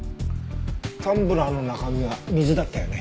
タンブラーの中身は水だったよね。